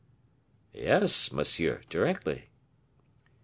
"Yes, monsieur, directly."